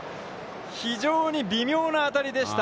非常に微妙な当たりでした。